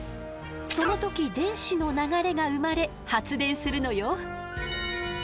その時電子の流れが生まれ発電するのよ。